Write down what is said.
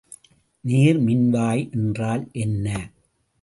நேர்மின்வாய் என்றால் என்ன?